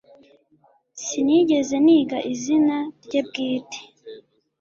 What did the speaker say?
Sinigeze niga izina rye bwite